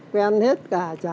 quen hết cả